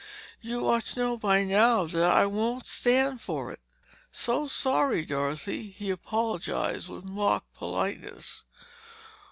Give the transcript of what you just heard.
You ought to know by now that I won't stand for it." "So sorry, Dorothy!" he apologized with mock politeness.